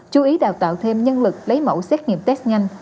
chú ý đào tạo thêm nhân lực lấy mẫu xét nghiệm test nhanh